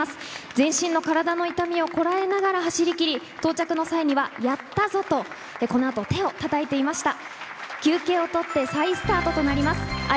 全身の体の痛みをこらえながら走り切り、到着の際にはやったぞと、このあと、手をたたいていました。